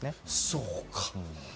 そうか。